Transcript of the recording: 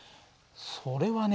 それはね